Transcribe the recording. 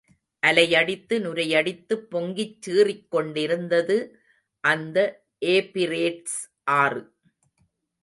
அலையடித்து நுரையடித்துப் பொங்கிச் சீறிக்கொண்டிருந்தது அந்த ஏபிரேட்ஸ் ஆறு.